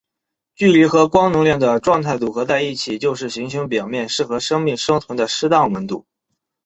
距离和光能量的状态组合在一起就是行星表面适合生命生存的适当温度。